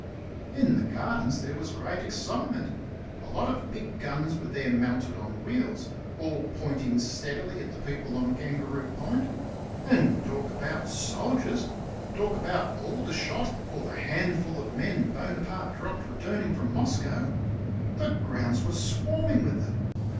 In the gardens there was great excitement. A lot of big guns were there mounted on wheels, all pointing steadily at the people on Kangaroo Point. And talk about soldiers! talk about Aldershot or the handful of men Bonaparte dropped returning from Moscow! The grounds were swarming with them.